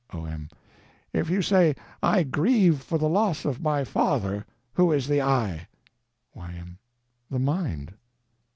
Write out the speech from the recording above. O.M. If you say "I grieve for the loss of my father," who is the "I"? Y.M. The mind.